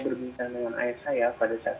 berbincang dengan ayah saya pada saat